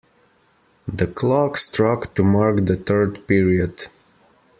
The clock struck to mark the third period.